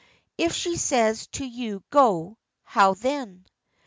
"If she says to you 'go,' how then?"